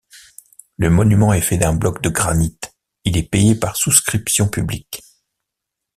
Le monument est fait d’un bloc de granit, il est payé par souscription publique.